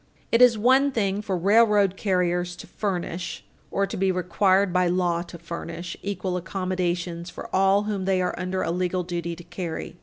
It is one thing for railroad carriers to furnish, or to be required by law to furnish, equal accommodations for all whom they are under a legal duty to carry.